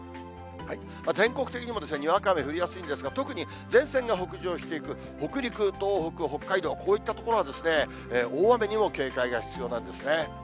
全国的にもですね、にわか雨降りやすいんですが、特に前線が北上していく北陸、東北、北海道、こういった所は、大雨にも警戒が必要なんですね。